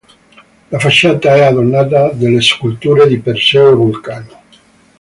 La facciata è adornata dalle sculture di Perseo e Vulcano.